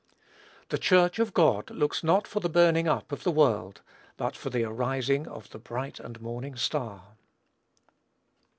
The Church of God looks not for the burning up of the world, but for the arising of "the bright and morning Star."